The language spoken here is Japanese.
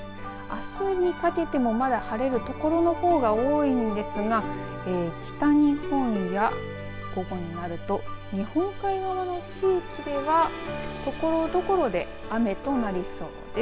あすにかけてもまだ晴れるところの方が多いんですが北日本や午後になると日本海側の地域ではところどころで雨となりそうです。